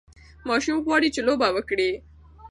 ماشوم غواړي چې لوبه وکړي.